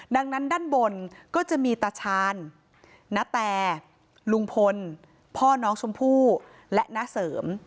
ดังนั้นด้านบนก็จะมีตาชาญณแต่ลุงพลพ่อน้องชมพู่และน้าเสริม